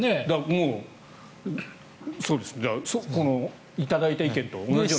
もう頂いた意見と同じような。